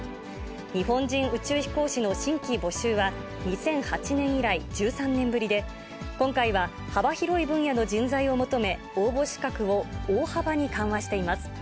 日本人宇宙飛行士の新規募集は２００８年以来１３年ぶりで、今回は幅広い分野の人材を求め、応募資格を大幅に緩和しています。